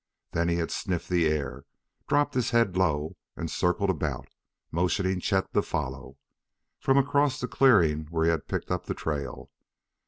Then he had sniffed the air, dropped his head low and circled about, motioning Chet to follow, from across the clearing where he had picked up the trail.